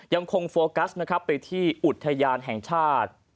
ยังคงโฟกัสไปที่อุทยานแห่งชาติ